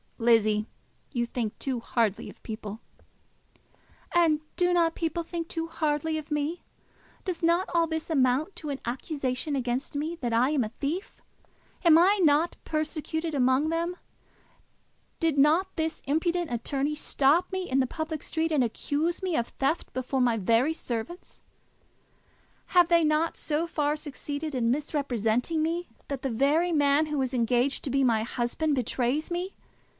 "Lizzie, you think too hardly of people." "And do not people think too hardly of me? Does not all this amount to an accusation against me that I am a thief? Am I not persecuted among them? Did not this impudent attorney stop me in the public street and accuse me of theft before my very servants? Have they not so far succeeded in misrepresenting me, that the very man who is engaged to be my husband betrays me?